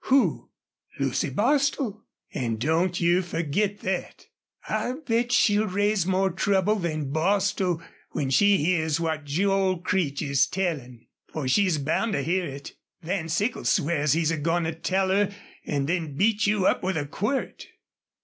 Who?" "Lucy Bostil. An' don't you fergit thet. I'll bet she'll raise more trouble than Bostil when she hears what Joel Creech is tellin'. Fer she's bound to hear it. Van Sickle swears he's a goin' to tell her an' then beat you up with a quirt."